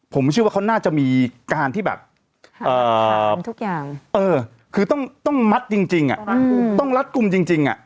ผมเชื่อว่าเขาน่าจะมีการที่แบบคือต้องต้องมัดจริงจริงอ่ะต้องรัดกุมจริงจริงอ่ะ